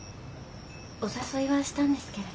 お誘いはしたんですけれど。